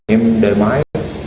em đợi máy